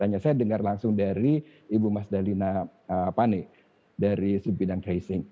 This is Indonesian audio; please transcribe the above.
hanya saya dengar langsung dari ibu mas dalina pane dari sipinang tracing